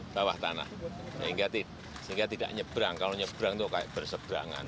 bawah tanah sehingga tidak nyebrang kalau nyebrang itu kayak berseberangan